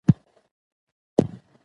د مشورو قدر وکړئ.